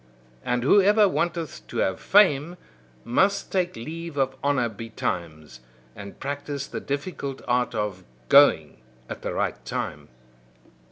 And whoever wanteth to have fame, must take leave of honour betimes, and practise the difficult art of going at the right time.